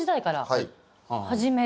はい。